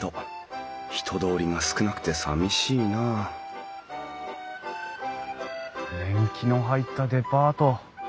人通りが少なくてさみしいなあ年季の入ったデパート。